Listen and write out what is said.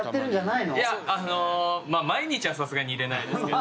いやあの毎日はさすがに居れないですけど。